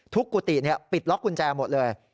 ทุกกุฏินี่ปิดล็อคกุญแจหมดเลย